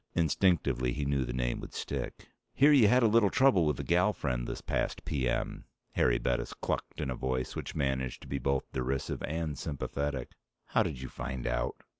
Instinctively, he knew the name would stick. "Hear you had a little trouble with the gal friend this past p.m.," Harry Bettis clucked in a voice which managed to be both derisive and sympathetic. "How did you find out?"